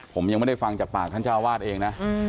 ผมยังไม่ได้ฟังจากปากท่านเจ้าวาดเองนะ